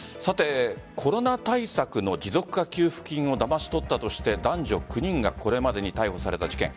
コロナ対策の持続化給付金をだまし取ったとして男女９人がこれまでに逮捕された事件。